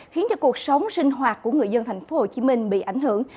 khiến cho cuộc sống sinh hoạt của người dân thành phố hồ chí minh bị ảnh hưởng